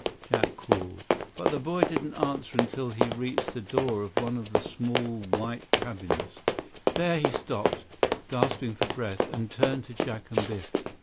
Jack called. But the boy didn't answer until he reached the door of one of the small white cabins. There he stopped, gasping for breath, and turned to Jack and Biff.